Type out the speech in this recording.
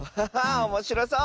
おもしろそう！